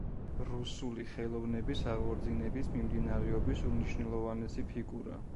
რუსული ხელოვნების აღორძინების მიმდინარეობის უმნიშვნელოვანესი ფიგურა.